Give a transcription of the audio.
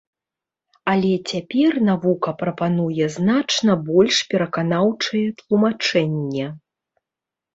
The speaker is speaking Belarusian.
Але цяпер навука прапануе значна больш пераканаўчае тлумачэнне.